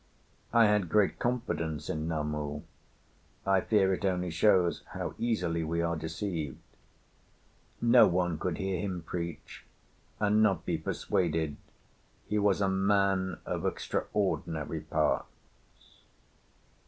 I had great confidence in Namu; I fear it only shows how easily we are deceived. No one could hear him preach and not be persuaded he was a man of extraordinary parts.